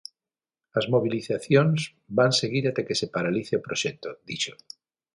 "As mobilizacións van seguir até que se paralice o proxecto", dixo.